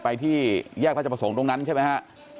ไปที่แยกราชประสงค์ตรงนั้นใช่ไหมฮะ